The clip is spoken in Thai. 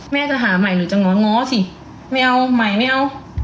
แม่จะหาใหม่หนูจะง้อง้อสิไม่เอาใหม่ไม่เอา